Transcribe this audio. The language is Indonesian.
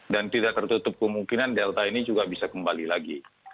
dan tidak tertutup kemungkinan delta ini juga bisa kembali lagi